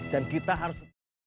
dan kita harus